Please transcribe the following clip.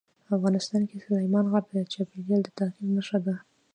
افغانستان کې سلیمان غر د چاپېریال د تغیر نښه ده.